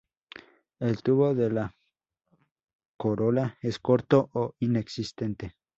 El tubo de la corola es corto o inexistente.